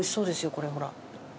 これほら。